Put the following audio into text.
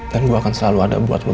dan gue akan selalu ada buat lo